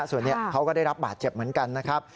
ส่วนนี้เขาก็ได้รับบาดเจ็บเหมือนกันนะครับ